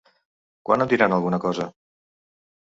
Quan em diran alguna cosa?